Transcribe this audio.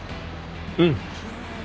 うん。